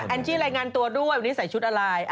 จี้รายงานตัวด้วยวันนี้ใส่ชุดอะไร